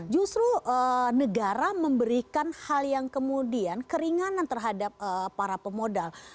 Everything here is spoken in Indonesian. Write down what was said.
justru negara memberikan hal yang kemudian keringanan terhadap para pemodal